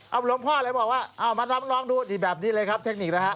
เอาหลวงพ่อเลยบอกว่าเอามาทำลองดูนี่แบบนี้เลยครับเทคนิคนะฮะ